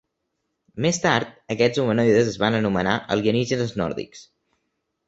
Més tard, aquests humanoides es van anomenar alienígenes nòrdics.